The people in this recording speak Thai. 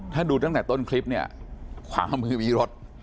ถ้าดูตั้งแต่ต้นคลิปเนี่ยขวามือมีรถ